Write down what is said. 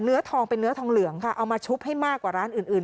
เนื้อทองเป็นเนื้อทองเหลืองค่ะเอามาชุบให้มากกว่าร้านอื่นอื่น